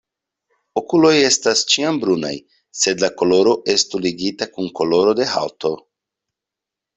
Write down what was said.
Okuloj estas ĉiam brunaj, sed la koloro estu ligita kun koloro de haŭto.